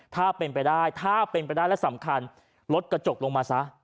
ถ้าเป็นไปได้ถ้าเป็นไปได้และสำคัญลดกระจกลงมาซะ